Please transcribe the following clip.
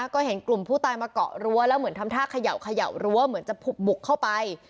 ก็เห็นกลุ่มผู้ตายมาเกาะรั้วแล้วเหมือนทำท่าเขย่ารั้วเหมือนจะบุกเข้าไป